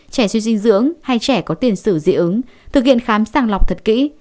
trẻ suy dinh dưỡng hay trẻ có tiền sử dị ứng thực hiện khám sàng lọc thật kỹ